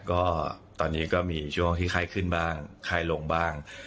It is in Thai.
ก็ตอนนี้ก็มีช่วงที่ไข้ขึ้นบ้างไข้ลงบ้าง